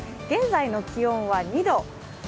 現在の気温は２度。